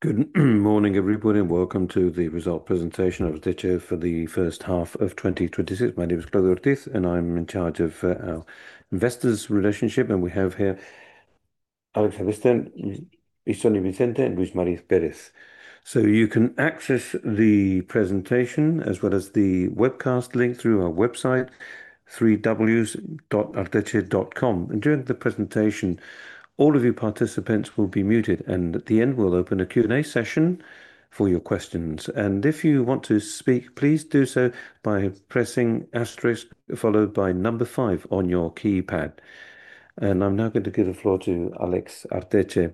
Good morning, everybody, and welcome to the result presentation of Arteche for the first half of 2026. My name is Claudia Ortiz, I'm in charge of our investor relations, and we have here Alex Artetxe, Ixone Vicente, and Luis María Pérez. You can access the presentation as well as the webcast link through our website, www.arteche.com. During the presentation, all of you participants will be muted, and at the end, we'll open a Q&A session for your questions. If you want to speak, please do so by pressing asterisk followed by number five on your keypad. I'm now going to give the floor to Alex Artetxe.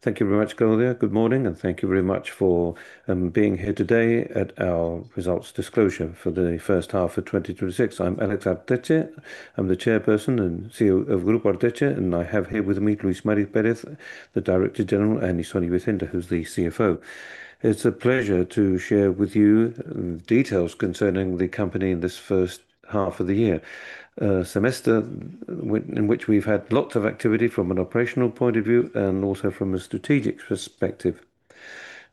Thank you very much, Claudia. Good morning, and thank you very much for being here today at our results disclosure for the first half of 2026. I'm Alex Artetxe. I'm the Chairperson and CEO of Grupo Arteche, and I have here with me Luis María Pérez, the Director General, and Ixone Vicente, who's the CFO. It's a pleasure to share with you details concerning the company in this first half of the year, a semester in which we've had lots of activity from an operational point of view and also from a strategic perspective.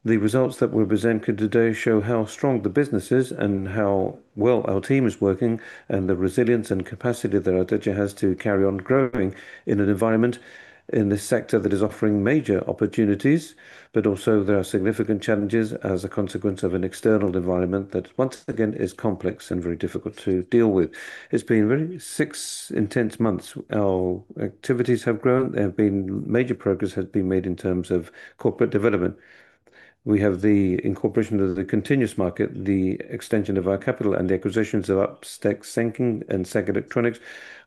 The results that we're presenting today show how strong the business is and how well our team is working and the resilience and capacity that Arteche has to carry on growing in an environment in this sector that is offering major opportunities, but also there are significant challenges as a consequence of an external environment that once again is complex and very difficult to deal with. It's been six intense months. Our activities have grown, major progress has been made in terms of corporate development. We have the incorporation of the continuous market, the extension of our capital, and the acquisitions of Uptech Sensing and SEG Electronics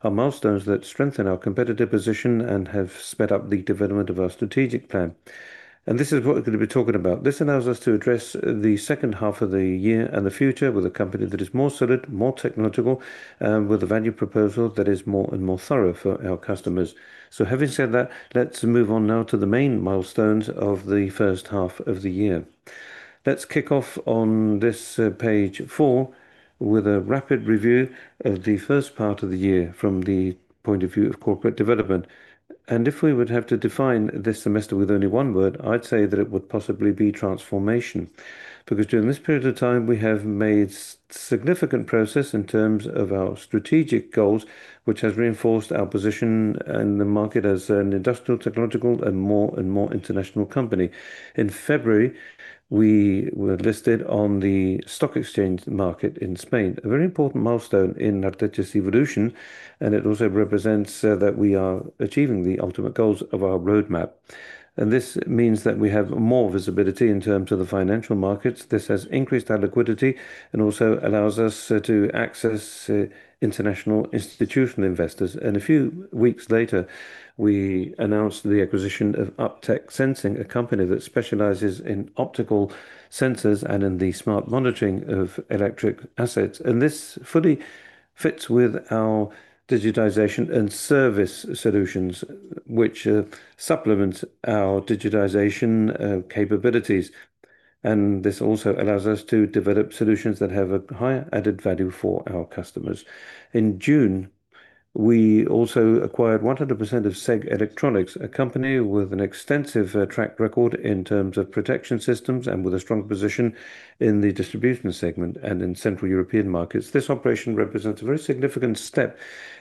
are milestones that strengthen our competitive position and have sped up the development of our strategic plan. This is what we're going to be talking about. This allows us to address the second half of the year and the future with a company that is more solid, more technological, with a value proposal that is more and more thorough for our customers. Having said that, let's move on now to the main milestones of the first half of the year. Let's kick off on this page four with a rapid review of the first part of the year from the point of view of corporate development. If we would have to define this semester with only one word, I'd say that it would possibly be transformation, because during this period of time, we have made significant progress in terms of our strategic goals, which has reinforced our position in the market as an industrial, technological, and more and more international company. In February, we were listed on the stock exchange market in Spain, a very important milestone in Arteche's evolution, and it also represents that we are achieving the ultimate goals of our roadmap. This means that we have more visibility in terms of the financial markets. This has increased our liquidity and also allows us to access international institutional investors. A few weeks later, we announced the acquisition of Uptech Sensing, a company that specializes in optical sensors and in the smart monitoring of electric assets. This fully fits with our digitization and service solutions, which supplement our digitization capabilities. This also allows us to develop solutions that have a higher added value for our customers. In June, we also acquired 100% of SEG Electronics, a company with an extensive track record in terms of protection systems and with a strong position in the distribution segment and in Central European markets. This operation represents a very significant step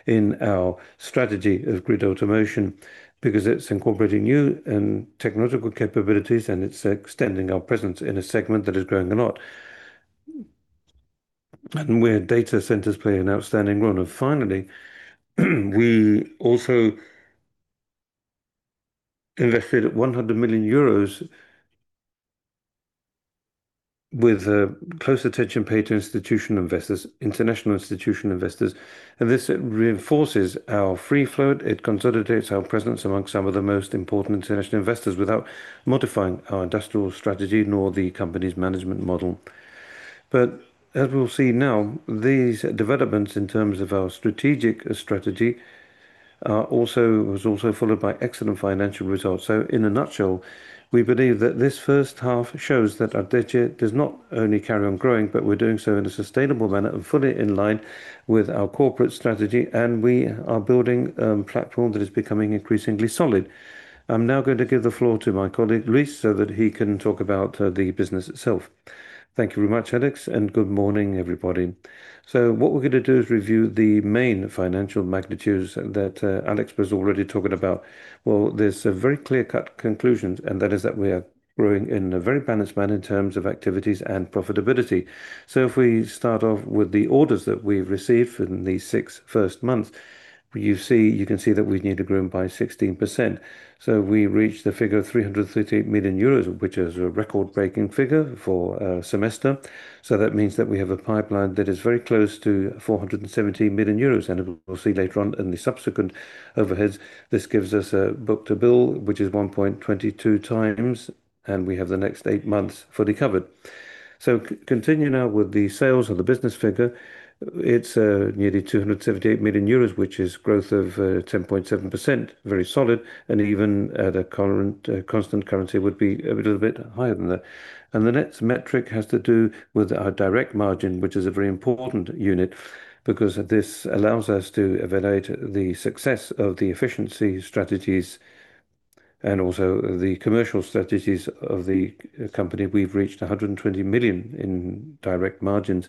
in our strategy of grid automation because it is incorporating new and technological capabilities, and it is extending our presence in a segment that is growing a lot, and where data centers play an outstanding role. Finally, we also invested EUR 100 million with close attention paid to international institutional investors, and this reinforces our free float. It consolidates our presence among some of the most important international investors without modifying our industrial strategy nor the company's management model. As we will see now, these developments in terms of our strategic strategy was also followed by excellent financial results. In a nutshell, we believe that this first half shows that Arteche does not only carry on growing, but we are doing so in a sustainable manner and fully in line with our corporate strategy, and we are building a platform that is becoming increasingly solid. I am now going to give the floor to my colleague, Luis, so that he can talk about the business itself. Thank you very much, Alex, and good morning, everybody. What we are going to do is review the main financial magnitudes that Alex was already talking about. There is a very clear-cut conclusion, and that is that we are growing in a very balanced manner in terms of activities and profitability. If we start off with the orders that we have received in the six first months, you can see that we need to grow by 16%. We reached the figure of 338 million euros, which is a record-breaking figure for a semester. That means that we have a pipeline that is very close to 417 million euros, and we will see later on in the subsequent overheads, this gives us a book-to-bill, which is 1.22x, and we have the next eight months fully covered. Continue now with the sales or the business figure. It is nearly 278 million euros, which is growth of 10.7%, very solid, and even at a constant currency would be a little bit higher than that. The next metric has to do with our direct margin, which is a very important unit because this allows us to evaluate the success of the efficiency strategies and also the commercial strategies of the company, we have reached 120 million in direct margins,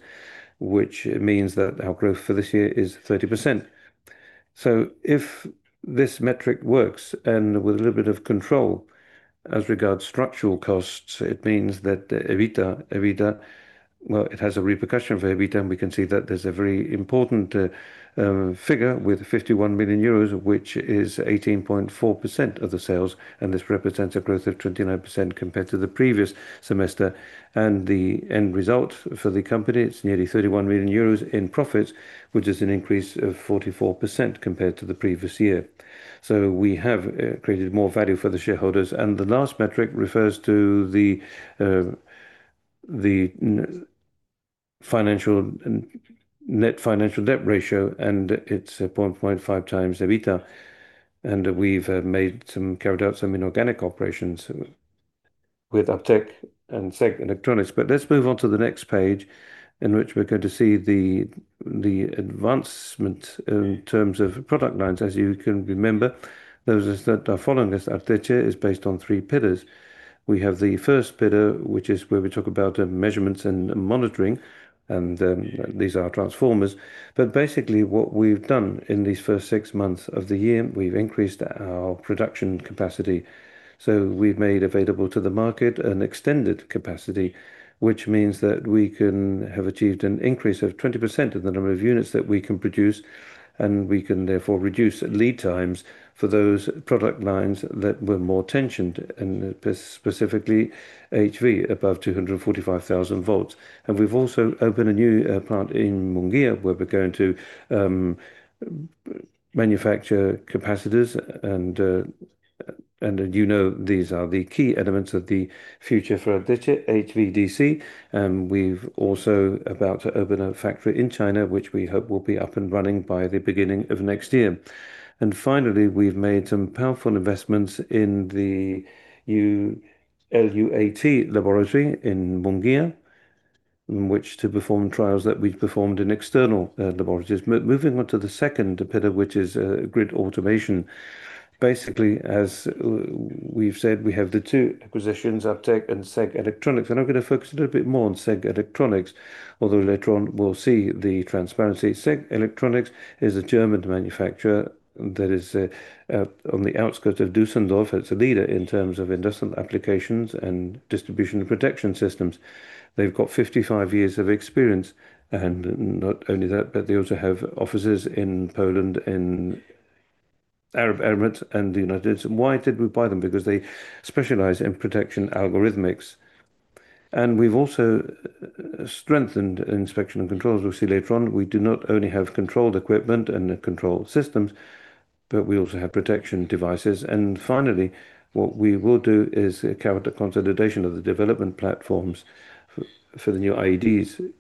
which means that our growth for this year is 30%. If this metric works, and with a little bit of control as regards structural costs, it means that EBITDA, it has a repercussion for EBITDA, and we can see that there is a very important figure with 51 million euros, which is 18.4% of the sales, and this represents a growth of 29% compared to the previous semester. The end result for the company, it is nearly 31 million euros in profits, which is an increase of 44% compared to the previous year. We have created more value for the shareholders. The last metric refers to the net financial debt ratio, it's 0.05 times EBITDA. We've carried out some inorganic operations with Uptech Sensing and SEG Electronics. Let's move on to the next page, in which we're going to see the advancement in terms of product lines. As you can remember, those that are following this, Arteche is based on three pillars. We have the first pillar, which is where we talk about measurements and monitoring, and these are our transformers. Basically what we've done in these first six months of the year, we've increased our production capacity. We've made available to the market an extended capacity, which means that we can have achieved an increase of 20% of the number of units that we can produce, and we can therefore reduce lead times for those product lines that were more tensioned, and specifically HV, above 245,000 volts. We've also opened a new plant in Munguía, where we're going to manufacture capacitors, and you know these are the key elements of the future for Arteche HVDC. We're also about to open a factory in China, which we hope will be up and running by the beginning of next year. Finally, we've made some powerful investments in the new LUAT laboratory in Munguía, in which to perform trials that we've performed in external laboratories. Moving on to the second pillar, which is grid automation. Basically, as we've said, we have the two acquisitions, Uptech Sensing and SEG Electronics, I'm going to focus a little bit more on SEG Electronics, although later on we'll see the transparency. SEG Electronics is a German manufacturer that is on the outskirts of Düsseldorf. It's a leader in terms of industrial applications and distribution protection systems. They've got 55 years of experience, not only that, but they also have offices in Poland, in Arab Emirates. Why did we buy them? Because they specialize in protection algorithmics. We've also strengthened inspection and controls. We'll see later on, we do not only have controlled equipment and controlled systems, but we also have protection devices. Finally, what we will do is carry out the consolidation of the development platforms for the new IEDs.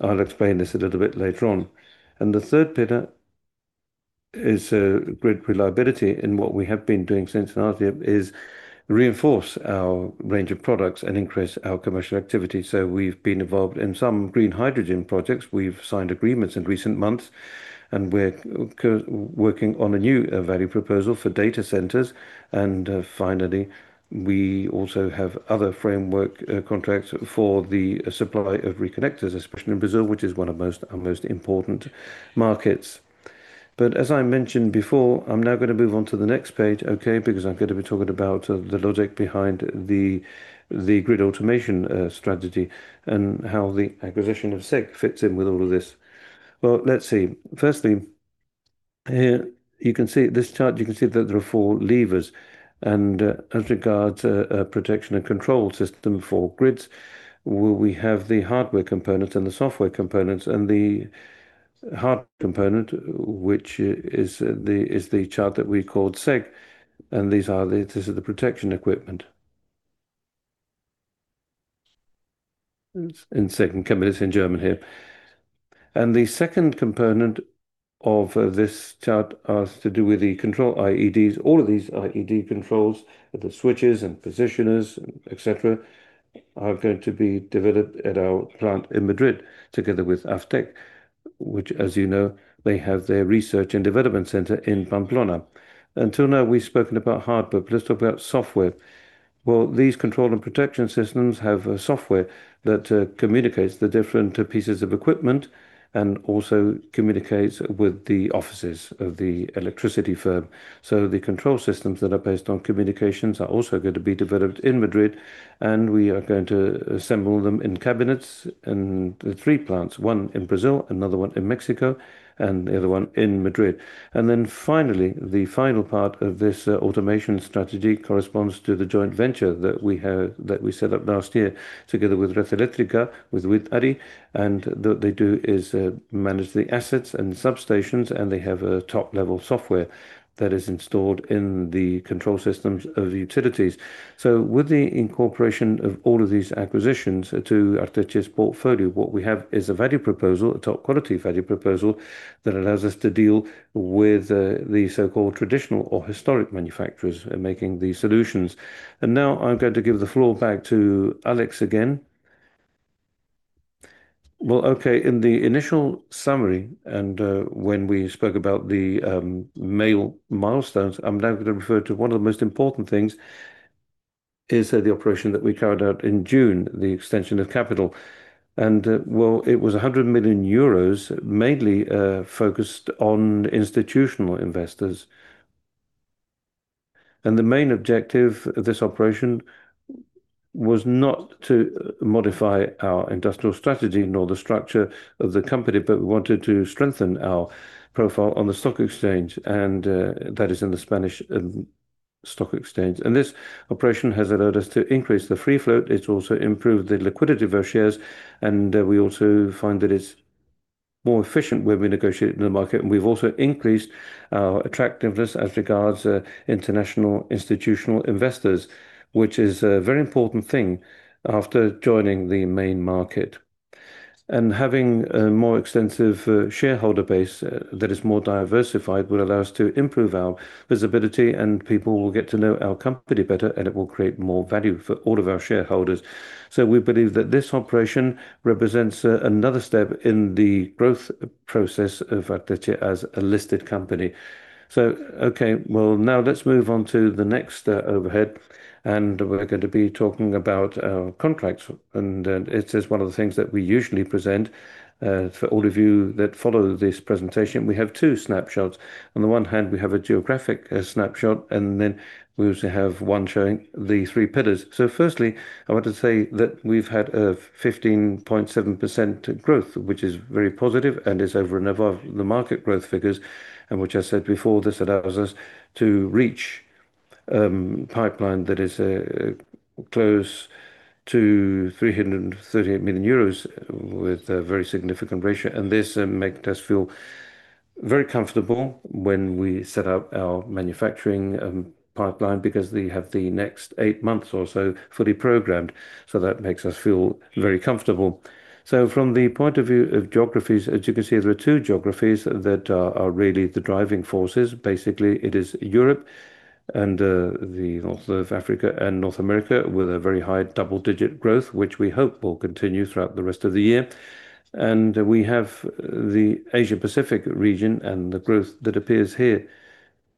I'll explain this a little bit later on. The third pillar is grid reliability, and what we have been doing since Arteche is reinforce our range of products and increase our commercial activity. We've been involved in some green hydrogen projects. We've signed agreements in recent months, we're working on a new value proposal for data centers. Finally, we also have other framework contracts for the supply of reconnectors, especially in Brazil, which is one of our most important markets. As I mentioned before, I'm now going to move on to the next page, okay, because I'm going to be talking about the logic behind the grid automation strategy and how the acquisition of SEG fits in with all of this. Let's see. Firstly, here you can see this chart, you can see that there are four levers. As regards a protection and control system for grids, we have the hardware components and the software components, the hard component, which is the chart that we called SEG, and this is the protection equipment. In second, it's in German here. The second component of this chart has to do with the control IEDs. All of these IED controls, the switches and positioners, et cetera, are going to be developed at our plant in Madrid together with Uptech Sensing, which, as you know, they have their research and development center in Pamplona. Until now, we've spoken about hardware, but let's talk about software. These control and protection systems have software that communicates the different pieces of equipment and also communicates with the offices of the electricity firm. The control systems that are based on communications are also going to be developed in Madrid, we are going to assemble them in cabinets in three plants, one in Brazil, another one in Mexico, and the other one in Madrid. Finally, the final part of this automation strategy corresponds to the joint venture that we set up last year together with Red Eléctrica, with ADI, what they do is manage the assets and substations, they have a top-level software that is installed in the control systems of the utilities. With the incorporation of all of these acquisitions to Arteche's portfolio, what we have is a value proposal, a top-quality value proposal, that allows us to deal with the so-called traditional or historic manufacturers making these solutions. Now I'm going to give the floor back to Alex again. Well, okay. In the initial summary, when we spoke about the main milestones, I'm now going to refer to one of the most important things is the operation that we carried out in June, the extension of capital. Well, it was 100 million euros, mainly focused on institutional investors. The main objective of this operation was not to modify our industrial strategy nor the structure of the company, but we wanted to strengthen our profile on the stock exchange, that is in the Spanish stock exchange. This operation has allowed us to increase the free float. It's also improved the liquidity of our shares, we also find that it's more efficient where we negotiate in the market. We've also increased our attractiveness as regards international institutional investors, which is a very important thing after joining the main market. Having a more extensive shareholder base that is more diversified will allow us to improve our visibility, people will get to know our company better, it will create more value for all of our shareholders. We believe that this operation represents another step in the growth process of Arteche as a listed company. Okay, well, now let's move on to the next overhead, we're going to be talking about our contracts. It is one of the things that we usually present. For all of you that follow this presentation, we have two snapshots. On the one hand, we have a geographic snapshot, then we also have one showing the three pillars. Firstly, I want to say that we've had a 15.7% growth, which is very positive and is over and above the market growth figures, which I said before, this allows us to reach pipeline that is close to 338 million euros with a very significant ratio. This makes us feel very comfortable when we set up our manufacturing pipeline because they have the next eight months or so fully programmed. That makes us feel very comfortable. From the point of view of geographies, as you can see, there are two geographies that are really the driving forces. Basically, it is Europe and North Africa and North America with a very high double-digit growth, which we hope will continue throughout the rest of the year. We have the Asia-Pacific region, the growth that appears here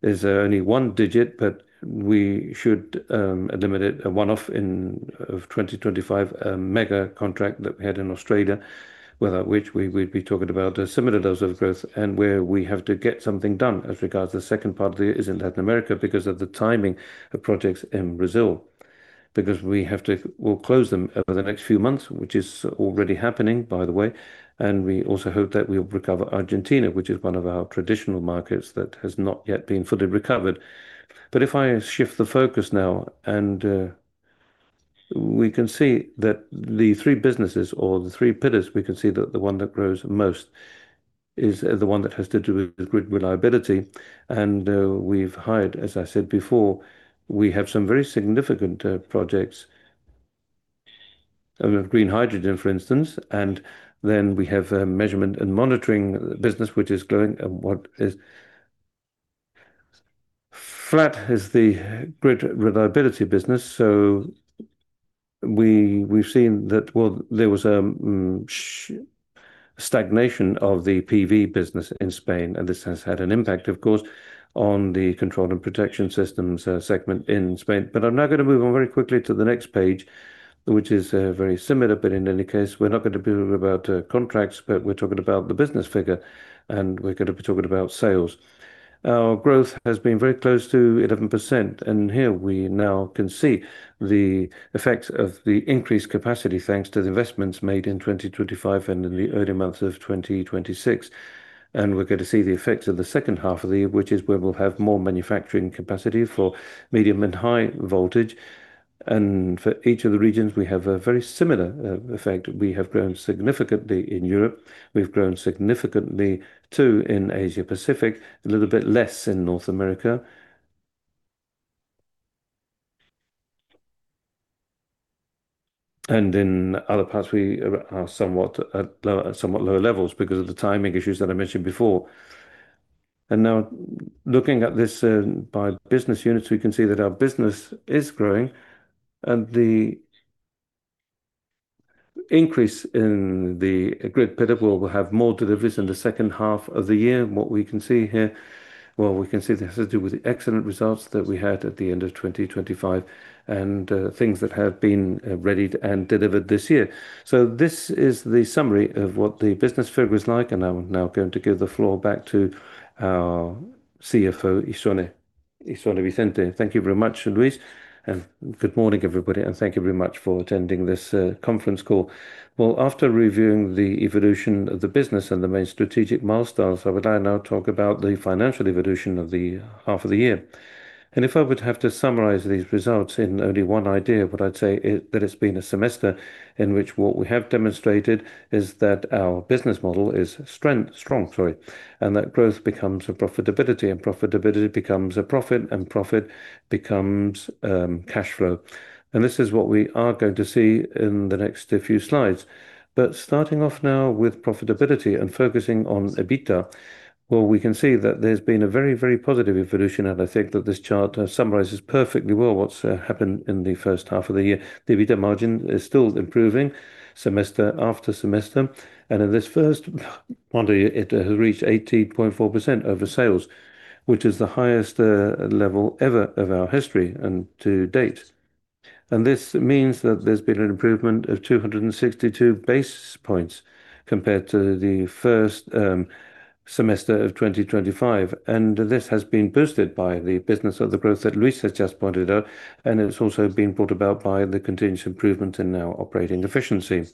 is only one digit, but we should eliminate a one-off in 2025 mega contract that we had in Australia, without which we'd be talking about a similar dose of growth and where we have to get something done as regards the second part is in Latin America because of the timing of projects in Brazil. We'll close them over the next few months, which is already happening, by the way, and we also hope that we'll recover Argentina, which is one of our traditional markets that has not yet been fully recovered. If I shift the focus now and we can see that the three businesses or the three pillars, we can see that the one that grows most is the one that has to do with grid reliability. We've hired, as I said before, we have some very significant projects of green hydrogen, for instance, we have a measurement and monitoring business which is growing, and what is flat is the grid reliability business. We've seen that, well, there was a stagnation of the PV business in Spain, and this has had an impact, of course, on the control and protection systems segment in Spain. I'm now going to move on very quickly to the next page, which is very similar, but in any case, we're not going to be talking about contracts, but we're talking about the business figure, and we're going to be talking about sales. Our growth has been very close to 11%, and here we now can see the effects of the increased capacity, thanks to the investments made in 2025 and in the early months of 2026. We're going to see the effects of the second half of the year, which is where we'll have more manufacturing capacity for medium and high voltage. For each of the regions, we have a very similar effect. We have grown significantly in Europe. We've grown significantly, too, in Asia-Pacific, a little bit less in North America. In other parts, we are at somewhat lower levels because of the timing issues that I mentioned before. Now looking at this by business units, we can see that our business is growing, and the increase in the grid pillar, we'll have more deliveries in the second half of the year. What we can see here, well, we can see this has to do with the excellent results that we had at the end of 2025 and things that have been readied and delivered this year. This is the summary of what the business figure is like, I am now going to give the floor back to our CFO, Ixone Vicente. Thank you very much, Luis, good morning, everybody, and thank you very much for attending this conference call. After reviewing the evolution of the business and the main strategic milestones, I would now talk about the financial evolution of the half of the year. If I would have to summarize these results in only one idea, what I would say is that it has been a semester in which what we have demonstrated is that our business model is strong, that growth becomes profitability becomes profit, and profit becomes cash flow. This is what we are going to see in the next few slides. Starting off now with profitability and focusing on EBITDA, we can see that there has been a very, very positive evolution, and I think that this chart summarizes perfectly well what has happened in the first half of the year. The EBITDA margin is still improving semester after semester. In this first half of the year, it has reached 18.4% over sales, which is the highest level ever of our history and to date. This means that there has been an improvement of 262 basis points compared to the first semester of 2025. This has been boosted by the business of the growth that Luis has just pointed out, and it has also been brought about by the continuous improvement in our operating efficiency.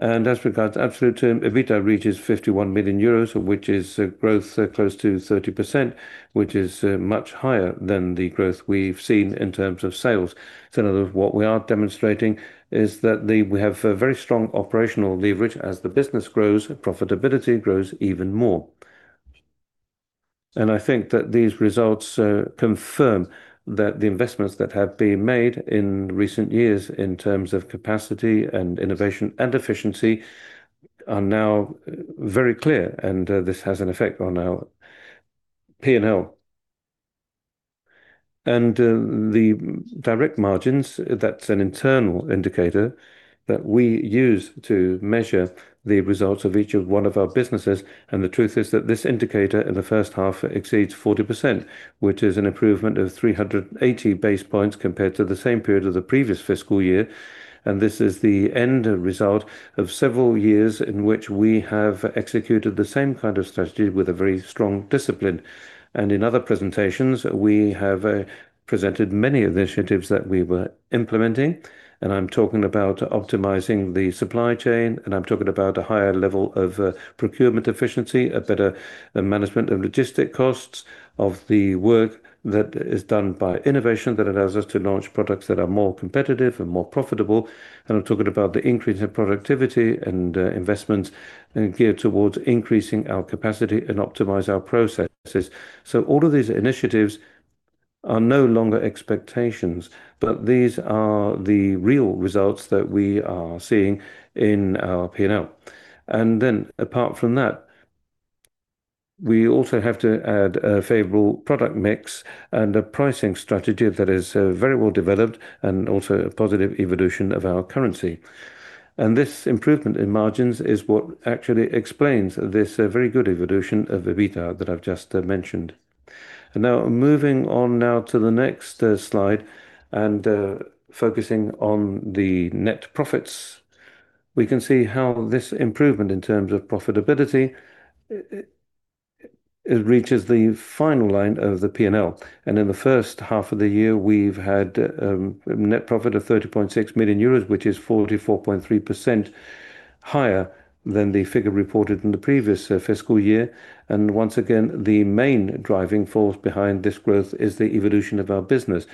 As regards absolute terms, EBITDA reaches 51 million euros, which is growth close to 30%, which is much higher than the growth we have seen in terms of sales. In other words, what we are demonstrating is that we have very strong operational leverage as the business grows, profitability grows even more. I think that these results confirm that the investments that have been made in recent years in terms of capacity and innovation and efficiency are now very clear, and this has an effect on our P&L. The direct margins, that is an internal indicator that we use to measure the results of each one of our businesses. The truth is that this indicator in the first half exceeds 40%, which is an improvement of 380 basis points compared to the same period of the previous fiscal year. This is the end result of several years in which we have executed the same kind of strategy with a very strong discipline. In other presentations, we have presented many initiatives that we were implementing. I am talking about optimizing the supply chain, I am talking about a higher level of procurement efficiency, a better management of logistics costs of the work that is done by innovation that allows us to launch products that are more competitive and more profitable. I am talking about the increase in productivity and investments geared towards increasing our capacity and optimizing our processes. All of these initiatives are no longer expectations, but these are the real results that we are seeing in our P&L. Apart from that, we also have to add a favorable product mix and a pricing strategy that is very well developed and also a positive evolution of our currency. This improvement in margins is what actually explains this very good evolution of EBITDA that I've just mentioned. Moving on now to the next slide and focusing on the net profits. We can see how this improvement in terms of profitability, it reaches the final line of the P&L. In the first half of the year, we've had net profit of 30.6 million euros, which is 44.3% higher than the figure reported in the previous fiscal year. Once again, the main driving force behind this growth is the evolution of our business,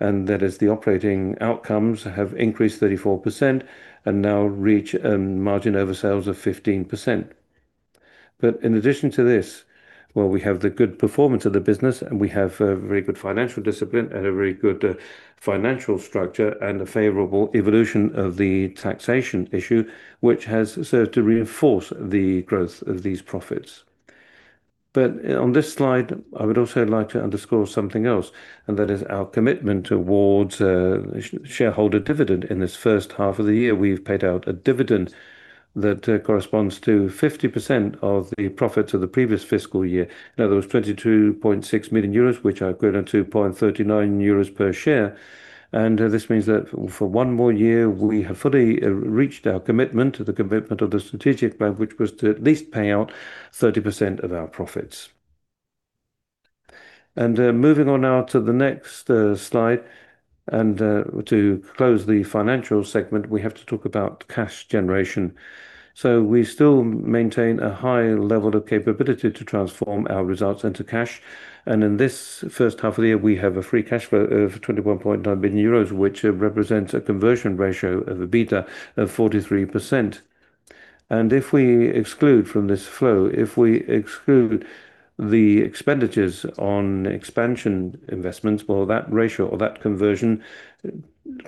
and that is the operating outcomes have increased 34% and now reach margin over sales of 15%. In addition to this, while we have the good performance of the business and we have a very good financial discipline and a very good financial structure and a favorable evolution of the taxation issue, which has served to reinforce the growth of these profits. On this slide, I would also like to underscore something else, and that is our commitment towards shareholder dividend. In this first half of the year, we've paid out a dividend that corresponds to 50% of the profits of the previous fiscal year. There was 22.6 million euros, which are equivalent to 2.39 euros per share. This means that for one more year, we have fully reached our commitment to the commitment of the strategic plan, which was to at least pay out 30% of our profits. Moving on now to the next slide and to close the financial segment, we have to talk about cash generation. We still maintain a high level of capability to transform our results into cash. In this first half of the year, we have a free cash flow of 21.9 million euros, which represents a conversion ratio of EBITDA of 43%. If we exclude from this flow, if we exclude the expenditures on expansion investments, well, that ratio or that conversion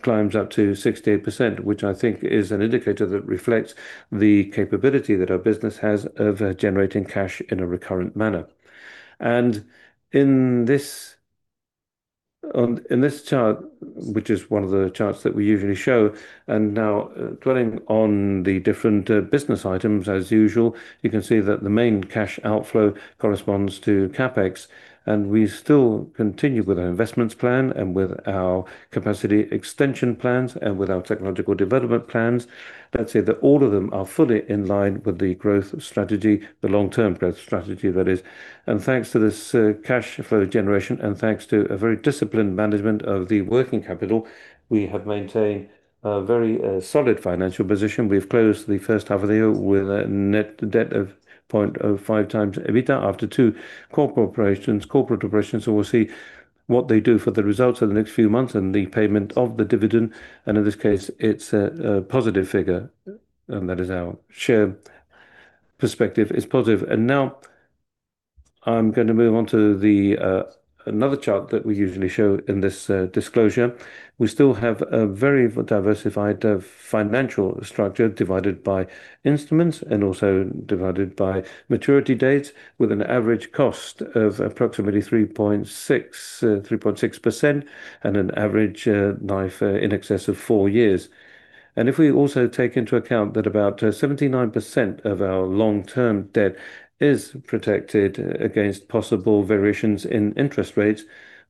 climbs up to 68%, which I think is an indicator that reflects the capability that our business has of generating cash in a recurrent manner. In this chart, which is one of the charts that we usually show, now dwelling on the different business items as usual, you can see that the main cash outflow corresponds to CapEx. We still continue with our investments plan and with our capacity extension plans and with our technological development plans. Let's say that all of them are fully in line with the growth strategy, the long-term growth strategy, that is. Thanks to this cash flow generation and thanks to a very disciplined management of the working capital, we have maintained a very solid financial position. We've closed the first half of the year with a net debt of 0.05 times EBITDA after two core operations, corporate operations, so we'll see what they do for the results of the next few months and the payment of the dividend. In this case, it's a positive figure, that is our share perspective is positive. Now I'm going to move on to another chart that we usually show in this disclosure. We still have a very diversified financial structure divided by instruments and also divided by maturity dates, with an average cost of approximately 3.6% and an average life in excess of four years. If we also take into account that about 79% of our long-term debt is protected against possible variations in interest rates,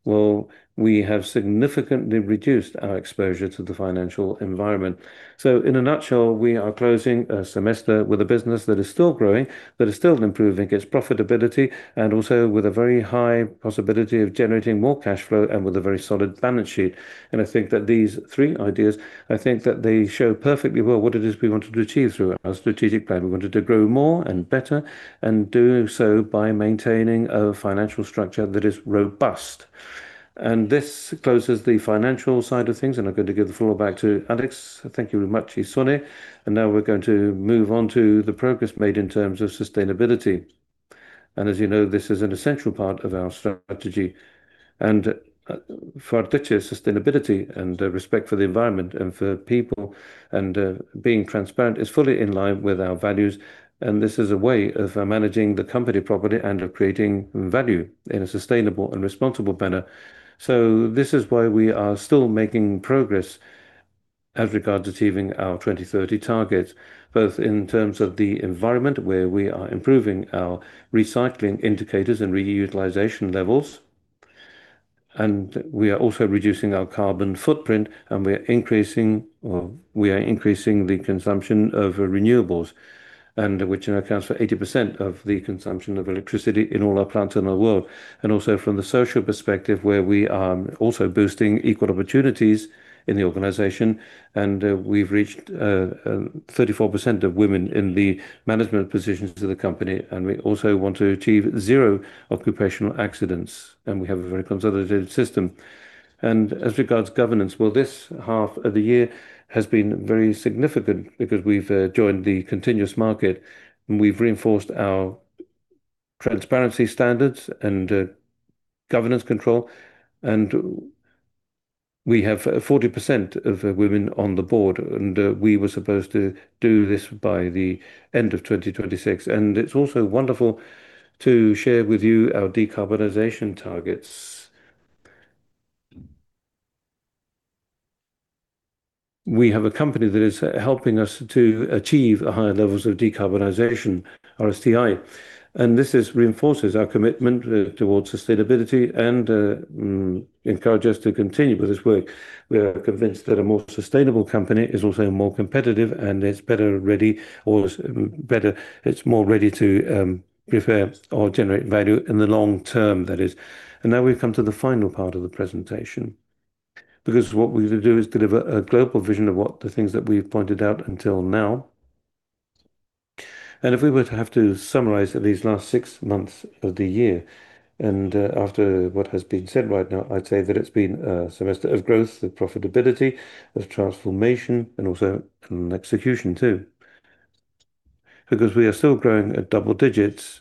well, we have significantly reduced our exposure to the financial environment. In a nutshell, we are closing a semester with a business that is still growing, that is still improving its profitability, and also with a very high possibility of generating more cash flow and with a very solid balance sheet. I think that these three ideas show perfectly well what it is we want to achieve through our strategic plan. We wanted to grow more and better and do so by maintaining a financial structure that is robust. This closes the financial side of things, I'm going to give the floor back to Alex. Thank you very much, Ixone. Now we're going to move on to the progress made in terms of sustainability. As you know, this is an essential part of our strategy. For Arteche, sustainability and respect for the environment and for people and being transparent is fully in line with our values, this is a way of managing the company properly and of creating value in a sustainable and responsible manner. This is why we are still making progress as regards achieving our 2030 targets, both in terms of the environment where we are improving our recycling indicators and reutilization levels, we are also reducing our carbon footprint, we are increasing the consumption of renewables, which accounts for 80% of the consumption of electricity in all our plants in the world. Also from the social perspective, where we are also boosting equal opportunities in the organization, we've reached 34% of women in the management positions of the company, we also want to achieve zero occupational accidents, we have a very consolidated system. As regards governance, well, this half of the year has been very significant because we've joined the continuous market, we've reinforced our transparency standards and governance control, we have 40% of women on the board, we were supposed to do this by the end of 2026. It's also wonderful to share with you our decarbonization targets. We have a company that is helping us to achieve higher levels of decarbonization, SBTi, this reinforces our commitment towards sustainability and encourages us to continue with this work. We are convinced that a more sustainable company is also more competitive and it's more ready to prepare or generate value in the long term. Now we've come to the final part of the presentation. What we're going to do is deliver a global vision of the things that we've pointed out until now. If we were to have to summarize these last six months of the year, after what has been said right now, I'd say that it's been a semester of growth, of profitability, of transformation, and also execution too. We are still growing at double digits,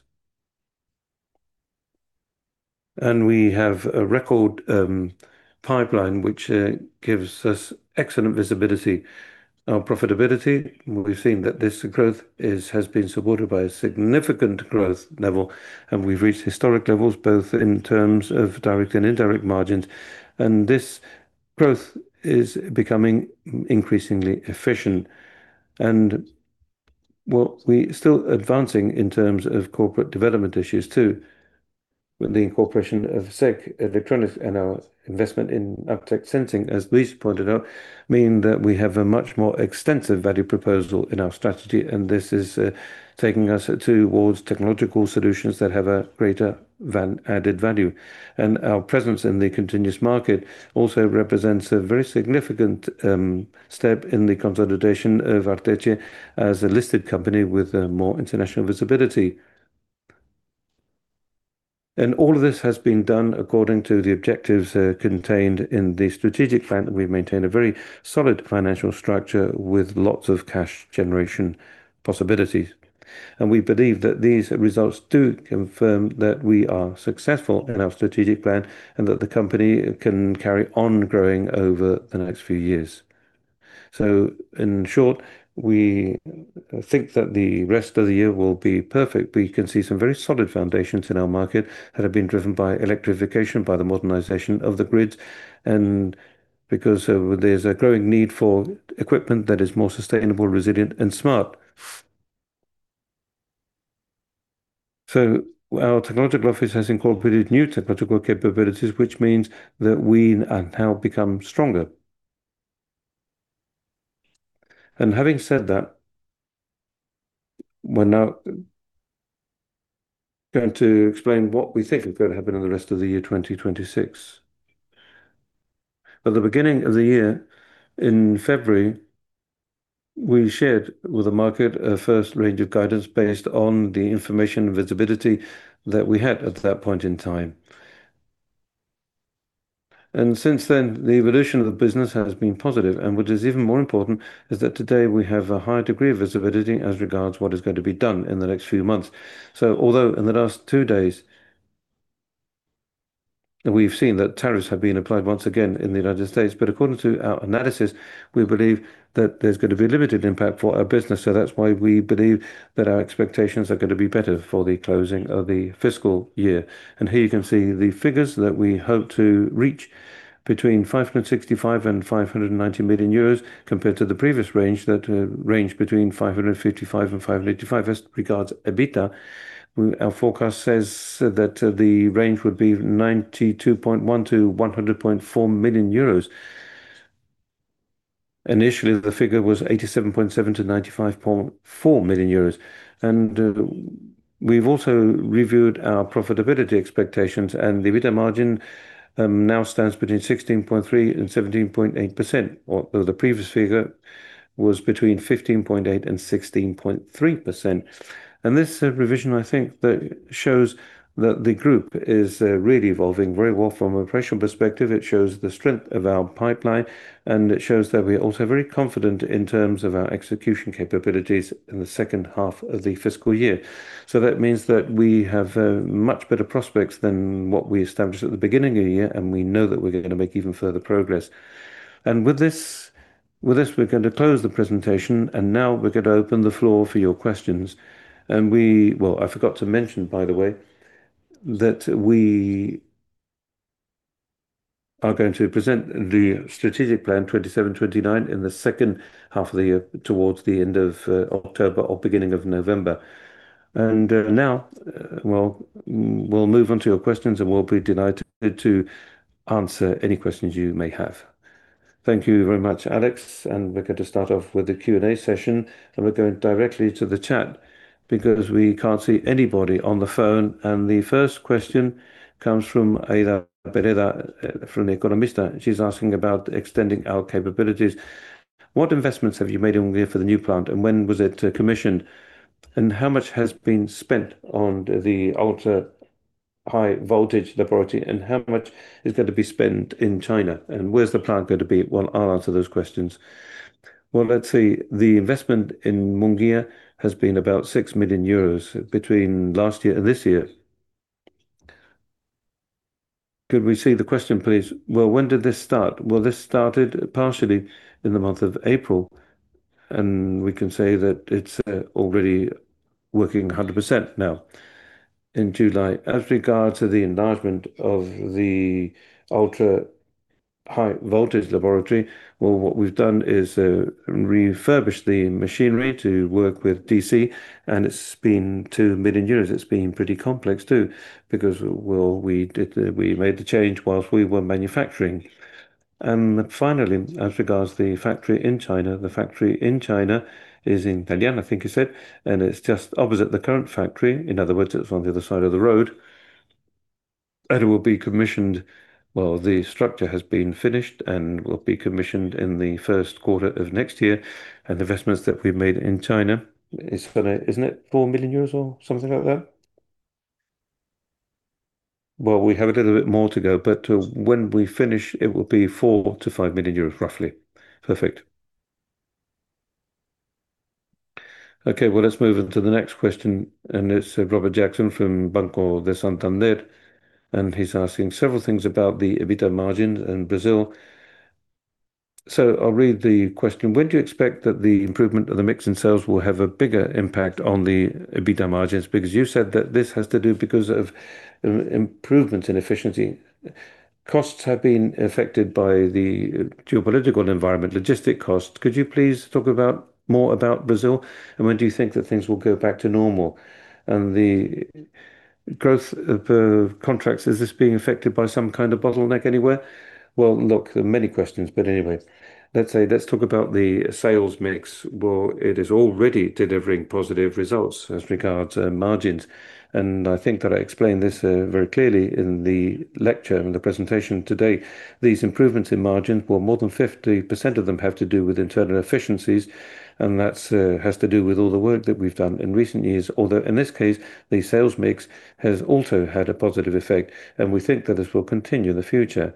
and we have a record pipeline, which gives us excellent visibility. Our profitability, we've seen that this growth has been supported by a significant growth level, and we've reached historic levels both in terms of direct and indirect margins. This growth is becoming increasingly efficient. Well, we're still advancing in terms of corporate development issues too, with the incorporation of SEG Electronics and our investment in Uptech Sensing, as Luis pointed out, mean that we have a much more extensive value proposal in our strategy, and this is taking us towards technological solutions that have a greater added value. Our presence in the continuous market also represents a very significant step in the consolidation of Arteche as a listed company with more international visibility. All of this has been done according to the objectives contained in the strategic plan that we've maintained a very solid financial structure with lots of cash generation possibilities. We believe that these results do confirm that we are successful in our strategic plan and that the company can carry on growing over the next few years. In short, we think that the rest of the year will be perfect. We can see some very solid foundations in our market that have been driven by electrification, by the modernization of the grids, and because there's a growing need for equipment that is more sustainable, resilient, and smart. Our technological office has incorporated new technological capabilities, which means that we have now become stronger. Having said that, we're now going to explain what we think is going to happen in the rest of the year 2026. At the beginning of the year, in February, we shared with the market a first range of guidance based on the information visibility that we had at that point in time. Since then, the evolution of the business has been positive. What is even more important is that today we have a high degree of visibility as regards what is going to be done in the next few months. Although in the last two days we've seen that tariffs have been applied once again in the United States, but according to our analysis, we believe that there's going to be limited impact for our business. That's why we believe that our expectations are going to be better for the closing of the fiscal year. Here you can see the figures that we hope to reach between 565 million and 590 million euros, compared to the previous range, that ranged between 555 million and 585 million. As regards EBITDA, our forecast says that the range would be 92.1 million to 100.4 million euros. Initially, the figure was 87.7 million to 95.4 million euros. We've also reviewed our profitability expectations, and the EBITDA margin now stands between 16.3% and 17.8%, although the previous figure was between 15.8% and 16.3%. This revision, I think, shows that the group is really evolving very well from an operational perspective. It shows the strength of our pipeline, and it shows that we are also very confident in terms of our execution capabilities in the second half of the fiscal year. That means that we have much better prospects than what we established at the beginning of the year, and we know that we're going to make even further progress. With this, we're going to close the presentation, and now we're going to open the floor for your questions. I forgot to mention, by the way, that we are going to present the strategic plan 2027, 2029 in the second half of the year, towards the end of October or beginning of November. Now we'll move on to your questions, and we'll be delighted to answer any questions you may have. Thank you very much, Alex. We're going to start off with the Q&A session, and we're going directly to the chat because we can't see anybody on the phone. The first question comes from Aida Pereda from El Economista. She's asking about extending our capabilities. What investments have you made in Mungia for the new plant? When was it commissioned? How much has been spent on the ultra-high voltage laboratory, and how much is going to be spent in China? Where's the plant going to be? I'll answer those questions. Let's see. The investment in Mungia has been about 6 million euros between last year and this year. Could we see the question, please? When did this start? This started partially in the month of April, and we can say that it's already working 100% now in July. As regards to the enlargement of the ultra-high voltage laboratory, what we've done is refurbished the machinery to work with DC, and it's been 2 million euros. It's been pretty complex too because we made the change whilst we were manufacturing. Finally, as regards the factory in China, the factory in China is in Dalian, I think you said, and it's just opposite the current factory. In other words, it's on the other side of the road. It will be commissioned. The structure has been finished and will be commissioned in the first quarter of next year. The investments that we've made in China. Isn't it 4 million euros or something like that? We have a little bit more to go, but when we finish, it will be 4 million to 5 million euros roughly. Perfect. Let's move on to the next question. Robert Jackson from Banco Santander is asking several things about the EBITDA margins in Brazil. I'll read the question. When do you expect that the improvement of the mix in sales will have a bigger impact on the EBITDA margins? Because you've said that this has to do because of improvement in efficiency. Costs have been affected by the geopolitical environment, logistic costs. Could you please talk more about Brazil? When do you think that things will go back to normal? The growth of contracts, is this being affected by some kind of bottleneck anywhere? There are many questions, but anyway. Let's talk about the sales mix. It is already delivering positive results as regards margins, and I think that I explained this very clearly in the lecture, in the presentation today. These improvements in margins, more than 50% of them have to do with internal efficiencies, and that has to do with all the work that we've done in recent years. Although in this case, the sales mix has also had a positive effect, and we think that this will continue in the future.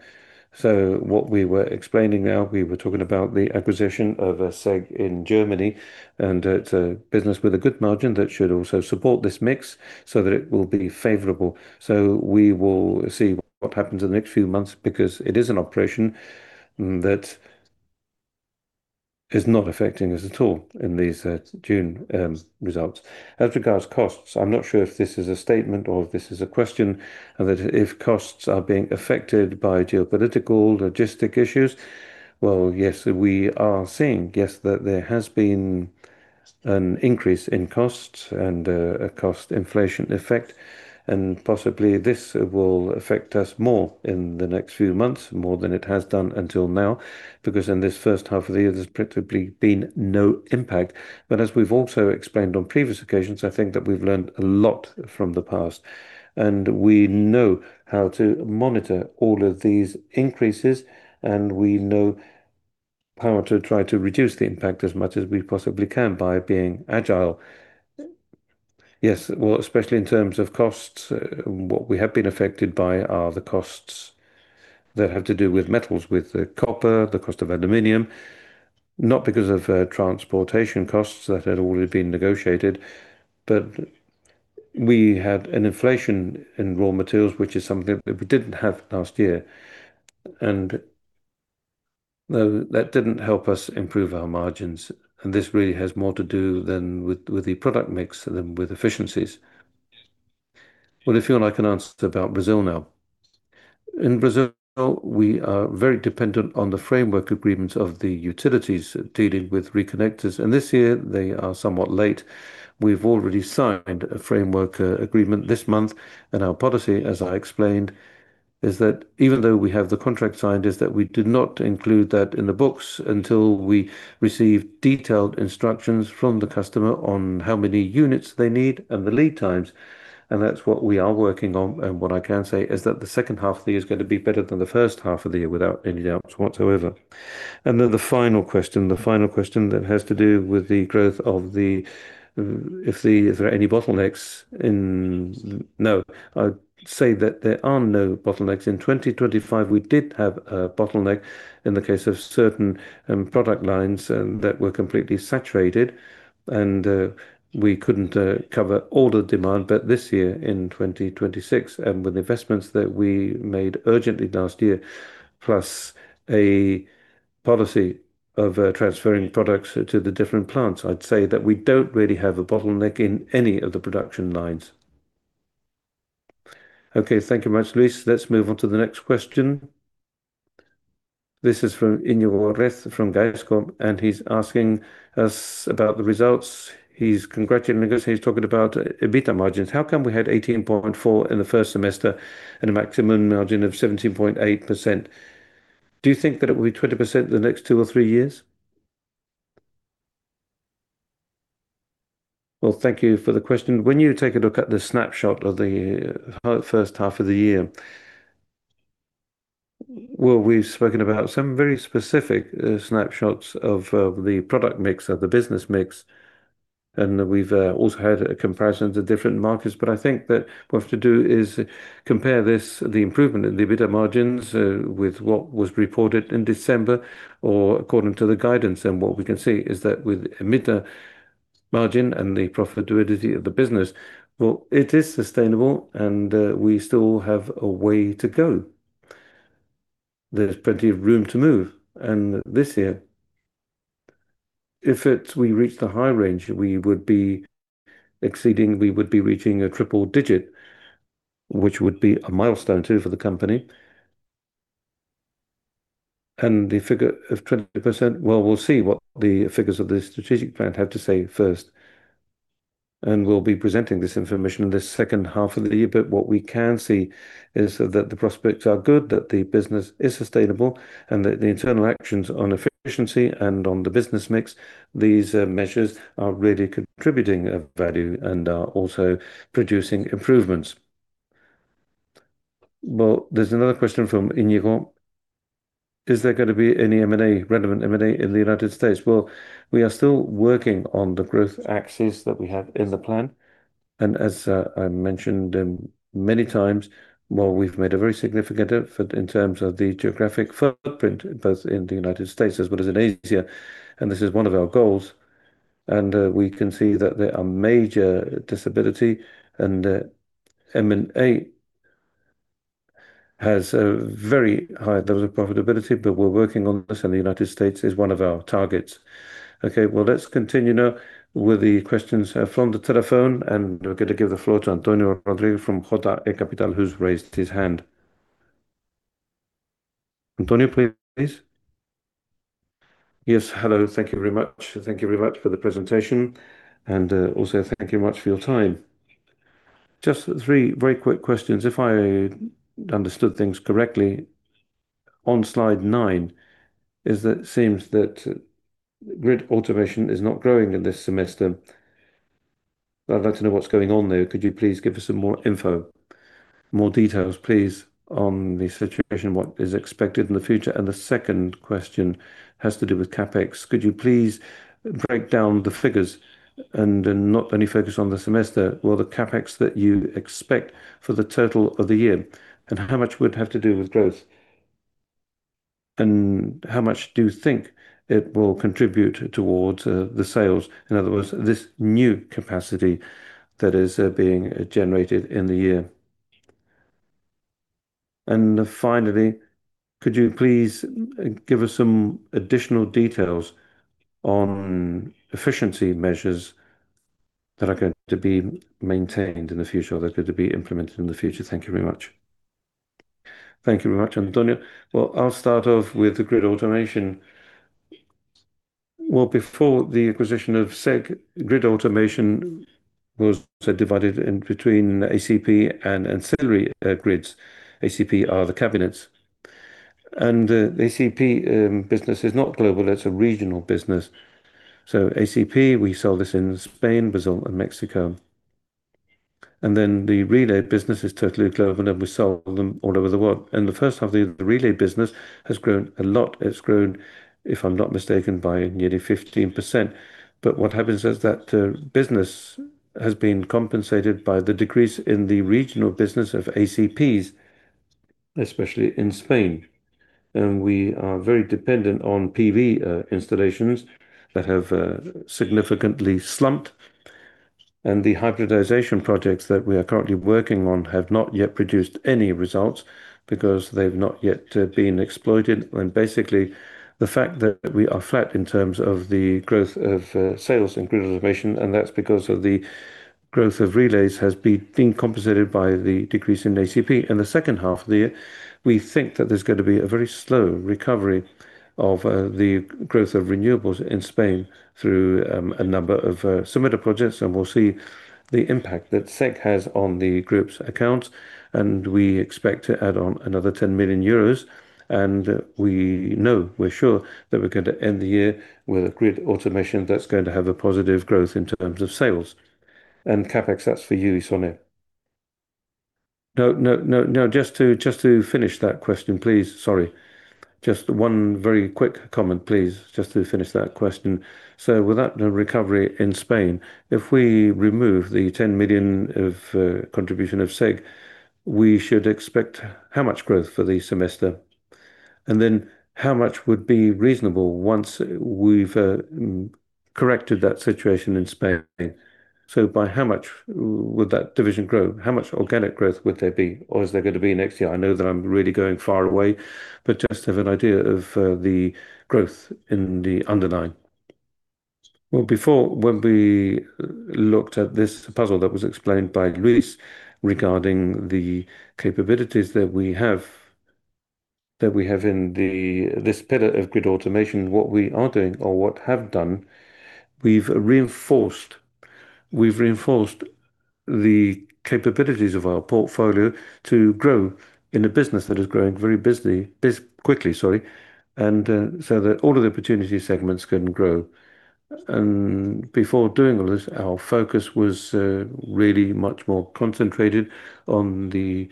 What we were explaining now, we were talking about the acquisition of a SEG in Germany, and it's a business with a good margin that should also support this mix so that it will be favorable. We will see what happens in the next few months because it is an operation that is not affecting us at all in these June results. As regards costs, I'm not sure if this is a statement or if this is a question, that if costs are being affected by geopolitical, logistics issues. We are seeing that there has been an increase in costs and a cost inflation effect, and possibly this will affect us more in the next few months, more than it has done until now. Because in this first half of the year, there's practically been no impact. As we've also explained on previous occasions, I think that we've learned a lot from the past, and we know how to monitor all of these increases, and we know how to try to reduce the impact as much as we possibly can by being agile. Especially in terms of costs, what we have been affected by are the costs that have to do with metals, with the copper, the cost of aluminum. Not because of transportation costs that had already been negotiated, but we had an inflation in raw materials, which is something that we didn't have last year. No, that didn't help us improve our margins, and this really has more to do than with the product mix than with efficiencies. If you want, I can answer about Brazil now. In Brazil, we are very dependent on the framework agreements of the utilities dealing with reconnectors, and this year they are somewhat late. We've already signed a framework agreement this month, and our policy, as I explained, is that even though we have the contract signed, is that we do not include that in the books until we receive detailed instructions from the customer on how many units they need and the lead times, and that's what we are working on. What I can say is that the second half of the year is going to be better than the first half of the year, without any doubts whatsoever. The final question that has to do with the growth of the If there are any bottlenecks. I'd say that there are no bottlenecks. In 2025, we did have a bottleneck in the case of certain product lines that were completely saturated, and we couldn't cover all the demand. This year, in 2026, with investments that we made urgently last year, plus a policy of transferring products to the different plants, I'd say that we don't really have a bottleneck in any of the production lines. Okay. Thank you much, Luis. Let's move on to the next question. This is from Íñigo Reta from Gaesco, he's asking us about the results. He's congratulating us. He's talking about EBITDA margins. How come we had 18.4% in the first semester and a maximum margin of 17.8%? Do you think that it will be 20% in the next two or three years? Well, thank you for the question. When you take a look at the snapshot of the first half of the year, well, we've spoken about some very specific snapshots of the product mix or the business mix, and we've also had a comparison to different markets. I think that what we have to do is compare the improvement in the EBITDA margins with what was reported in December, or according to the guidance. What we can see is that with EBITDA margin and the profitability of the business, well, it is sustainable, and we still have a way to go. There's plenty of room to move. This year, if we reach the high range, we would be exceeding, we would be reaching a triple-digit, which would be a milestone, too, for the company. The figure of 20%, well, we'll see what the figures of the strategic plan have to say first, and we'll be presenting this information in the second half of the year. What we can see is that the prospects are good, that the business is sustainable, and that the internal actions on efficiency and on the business mix, these measures are really contributing value and are also producing improvements. Well, there's another question from Íñigo. Is there going to be any relevant M&A in the U.S.? Well, we are still working on the growth axis that we have in the plan. As I mentioned many times, while we've made a very significant effort in terms of the geographic footprint, both in the U.S. as well as in Asia, this is one of our goals, and we can see that there are major visibility, and M&A has a very high level of profitability, but we're working on this, and the U.S. is one of our targets. Okay, well, let's continue now with the questions from the telephone, and we're going to give the floor to Antonio Rodriguez from JB Capital, who's raised his hand. Antonio, please. Yes, hello. Thank you very much. Thank you very much for the presentation, and also thank you much for your time. Just three very quick questions. If I understood things correctly, on slide nine, is that it seems that grid automation is not growing in this semester. I'd like to know what's going on there. Could you please give us some more info, more details, please, on the situation, what is expected in the future? The second question has to do with CapEx. Could you please break down the figures and not only focus on the semester? Well, the CapEx that you expect for the total of the year, how much would have to do with growth? How much do you think it will contribute towards the sales, in other words, this new capacity that is being generated in the year? Finally, could you please give us some additional details on efficiency measures that are going to be maintained in the future or that are going to be implemented in the future? Thank you very much. Thank you very much, Antonio. Well, I'll start off with the grid automation. Before the acquisition of SEG, grid automation was divided in between ACP and ancillary grids. ACP are the cabinets. The ACP business is not global, it's a regional business. ACP, we sell this in Spain, Brazil, and Mexico. The relay business is totally global, and we sell them all over the world. The first half of the relay business has grown a lot. It's grown, if I'm not mistaken, by nearly 15%. What happens is that the business has been compensated by the decrease in the regional business of ACPs, especially in Spain. We are very dependent on PV installations that have significantly slumped, and the hybridization projects that we are currently working on have not yet produced any results because they've not yet been exploited. Basically, the fact that we are flat in terms of the growth of sales in grid automation, and that's because of the growth of relays has been compensated by the decrease in ACP. In the second half of the year, we think that there's going to be a very slow recovery of the growth of renewables in Spain through a number of submitted projects, and we'll see the impact that SEG has on the group's accounts. We expect to add on another 10 million euros, and we know, we're sure that we're going to end the year with a grid automation that's going to have a positive growth in terms of sales. CapEx, that's for you, Ixone. No, just to finish that question, please. Sorry. Just one very quick comment, please, just to finish that question. Without no recovery in Spain, if we remove the 10 million of contribution of SEG, we should expect how much growth for the semester? How much would be reasonable once we've corrected that situation in Spain? By how much would that division grow? How much organic growth would there be or is there going to be next year? I know that I'm really going far away, but just to have an idea of the growth in the underlying. Before, when we looked at this puzzle that was explained by Luis regarding the capabilities that we have in this pillar of grid automation, what we are doing or what have done, we've reinforced the capabilities of our portfolio to grow in a business that is growing very quickly, and so that all of the opportunity segments can grow. Before doing all this, our focus was really much more concentrated on the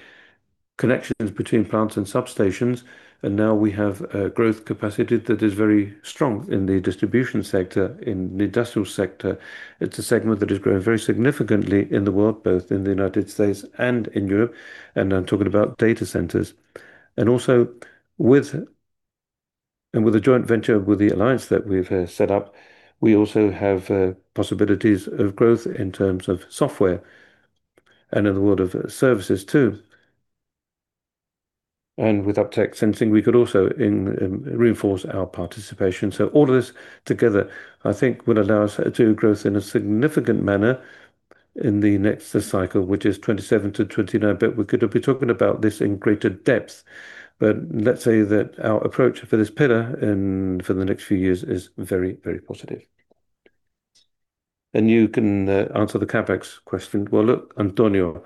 connections between plants and substations. Now we have a growth capacity that is very strong in the distribution sector, in the industrial sector. It's a segment that has grown very significantly in the world, both in the U.S. and in Europe, and I'm talking about data centers. With a joint venture with the alliance that we've set up, we also have possibilities of growth in terms of software and in the world of services too. With Uptech Sensing, we could also reinforce our participation. All of this together, I think, will allow us to grow in a significant manner in the next cycle, which is 2027 to 2029, but we could be talking about this in greater depth. Let's say that our approach for this pillar and for the next few years is very, very positive. You can answer the CapEx question. Well, look, Antonio,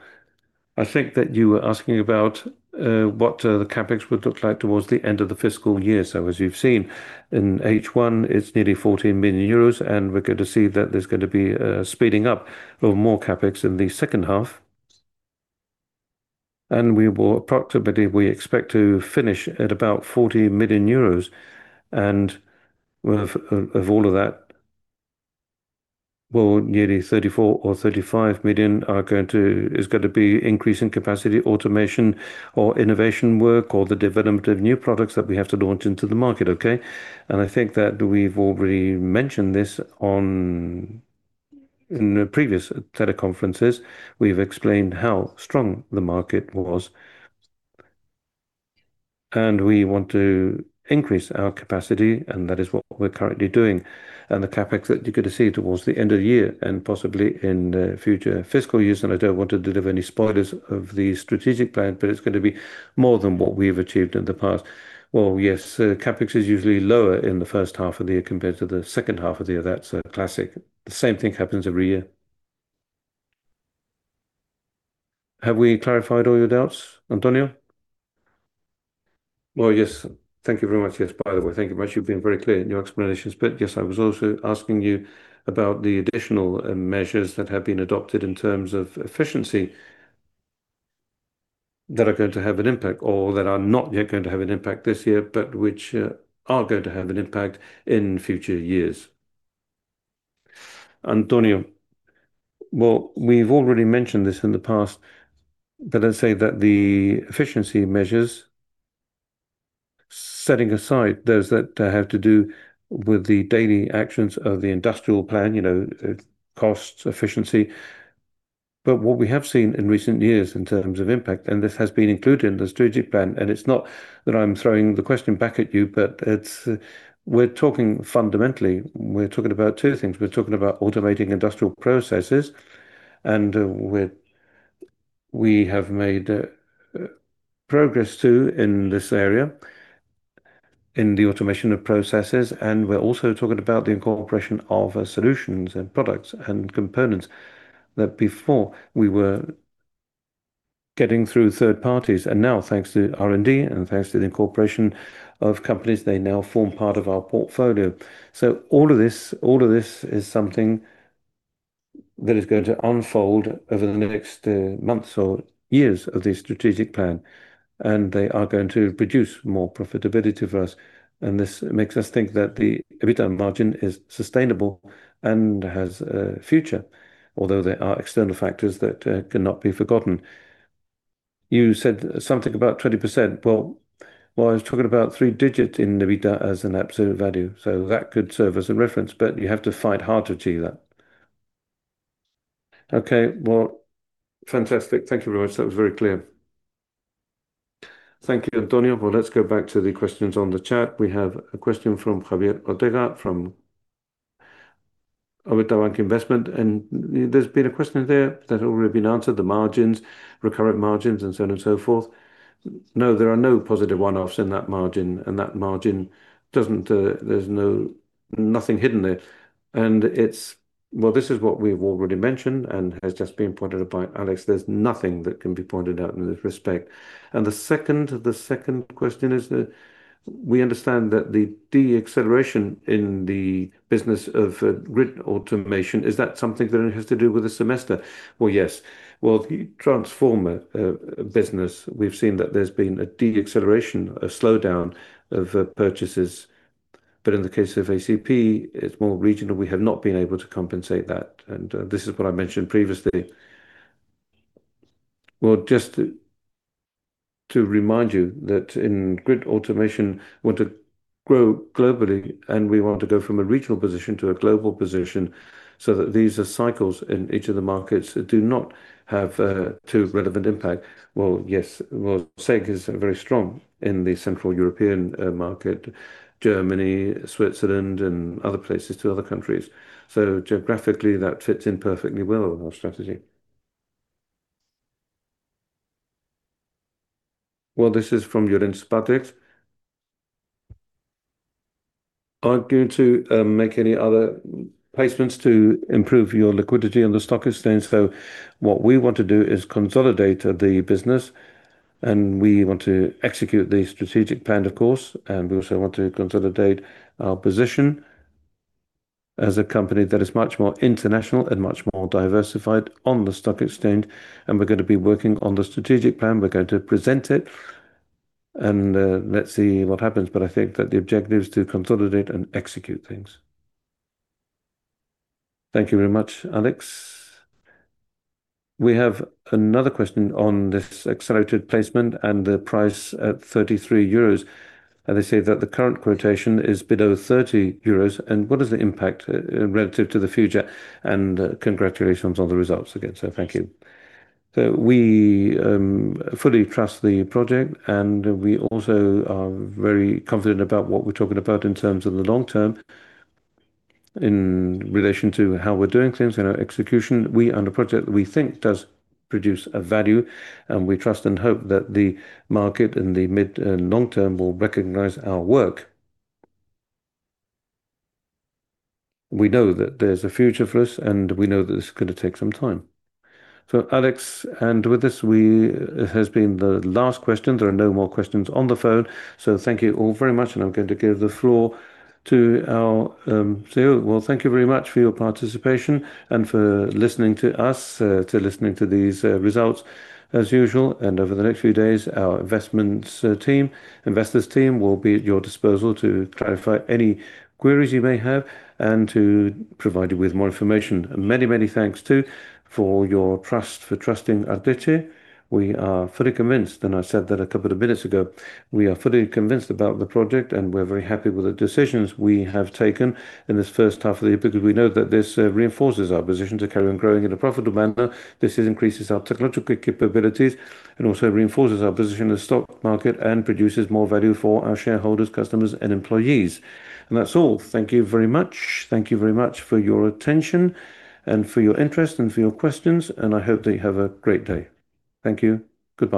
I think that you were asking about what the CapEx would look like towards the end of the fiscal year. As you've seen, in H1, it's nearly 14 million euros, and we're going to see that there's going to be a speeding up of more CapEx in the second half. Approximately, we expect to finish at about 40 million euros, and of all of that, well, nearly 34 million or 35 million is going to be increase in capacity automation or innovation work or the development of new products that we have to launch into the market. I think that we've already mentioned this in the previous teleconferences. We've explained how strong the market was. We want to increase our capacity, and that is what we're currently doing. The CapEx that you're going to see towards the end of the year and possibly in the future fiscal years, and I don't want to deliver any spoilers of the strategic plan, but it's going to be more than what we've achieved in the past. Well, yes, CapEx is usually lower in the first half of the year compared to the second half of the year. That's a classic. The same thing happens every year. Have we clarified all your doubts, Antonio? Well, yes. Thank you very much. Yes. By the way, thank you much. You've been very clear in your explanations. Yes, I was also asking you about the additional measures that have been adopted in terms of efficiency that are going to have an impact or that are not yet going to have an impact this year, but which are going to have an impact in future years. Antonio, well, we've already mentioned this in the past, but let's say that the efficiency measures, setting aside those that have to do with the daily actions of the industrial plan, costs, efficiency. What we have seen in recent years in terms of impact, and this has been included in the strategic plan, and it's not that I'm throwing the question back at you, but we're talking fundamentally, we're talking about two things. We're talking about automating industrial processes, and we have made progress, too, in this area in the automation of processes. We're also talking about the incorporation of solutions and products and components that before we were getting through third parties. Now thanks to R&D and thanks to the incorporation of companies, they now form part of our portfolio. All of this is something that is going to unfold over the next months or years of the strategic plan, and they are going to produce more profitability for us. This makes us think that the EBITDA margin is sustainable and has a future, although there are external factors that cannot be forgotten. You said something about 20%. Well, I was talking about three digits in EBITDA as an absolute value, so that could serve as a reference, but you have to fight hard to achieve that. Okay. Well, fantastic. Thank you very much. That was very clear. Thank you, Antonio. Let's go back to the questions on the chat. We have a question from Javier Ortega from Abanca Investment, there's been a question there that has already been answered, the margins, recurrent margins, and so on and so forth. There are no positive one-offs in that margin. That margin, there's nothing hidden there. This is what we've already mentioned and has just been pointed out by Alex, there's nothing that can be pointed out in this respect. The second question is that we understand that the deacceleration in the business of grid automation, is that something that has to do with the semester? Yes. The transformer business, we've seen that there's been a deacceleration, a slowdown of purchases. In the case of ACP, it's more regional, we have not been able to compensate that, this is what I mentioned previously. Just to remind you that in grid automation, we want to grow globally and we want to go from a regional position to a global position that these are cycles in each of the markets that do not have too relevant impact. Yes. SEG is very strong in the Central European market, Germany, Switzerland, and other places to other countries. Geographically, that fits in perfectly well with our strategy. This is from Jurrien Spatak. Are you going to make any other placements to improve your liquidity on the stock exchange? What we want to do is consolidate the business, we want to execute the strategic plan, of course, we also want to consolidate our position as a company that is much more international and much more diversified on the stock exchange. We're going to be working on the strategic plan. We're going to present it, let's see what happens, I think that the objective is to consolidate and execute things. Thank you very much, Alex. We have another question on this accelerated placement and the price at 33 euros. They say that the current quotation is below 30 euros, what is the impact relative to the future? Congratulations on the results again. Thank you. We fully trust the project, we also are very confident about what we're talking about in terms of the long term in relation to how we're doing things in our execution. We, on the project, we think does produce a value, we trust and hope that the market in the mid and long term will recognize our work. We know that there's a future for us, we know that it's going to take some time. Alex, with this, it has been the last question. There are no more questions on the phone. Thank you all very much, I'm going to give the floor to our CEO. Thank you very much for your participation and for listening to us, to listening to these results as usual. Over the next few days, our investors team will be at your disposal to clarify any queries you may have and to provide you with more information. Many, many thanks too for your trust, for trusting Arteche. We are fully convinced, and I said that a couple of minutes ago. We are fully convinced about the project, and we're very happy with the decisions we have taken in this first half of the year because we know that this reinforces our position to carry on growing in a profitable manner. This increases our technological capabilities and also reinforces our position in the stock market and produces more value for our shareholders, customers, and employees. That's all. Thank you very much. Thank you very much for your attention and for your interest and for your questions, and I hope that you have a great day. Thank you. Goodbye.